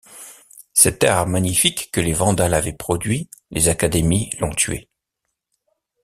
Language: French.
Cet art magnifique que les vandales avaient produit, les académies l’ont tué.